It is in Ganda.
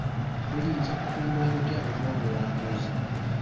Tuyinza kutumbula tutya eby'obulambuzi?